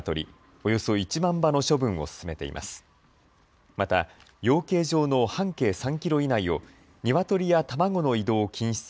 およそ１万羽の処分を進めています。